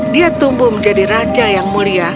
dia tumbuh menjadi raja yang mulia